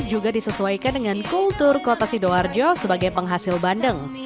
juga disesuaikan dengan kultur kota sidoarjo sebagai penghasil bandeng